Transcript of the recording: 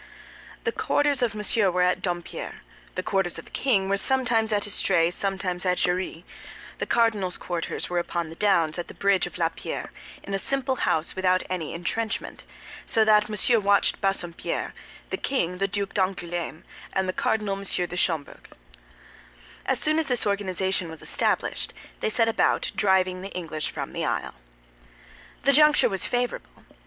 The quarters of Monsieur were at Dompierre; the quarters of the king were sometimes at Estrée, sometimes at Jarrie; the cardinal's quarters were upon the downs, at the bridge of La Pierre, in a simple house without any entrenchment. So that Monsieur watched Bassompierre; the king, the Duc d'Angoulême; and the cardinal, M. de Schomberg. As soon as this organization was established, they set about driving the English from the Isle. The juncture was favorable.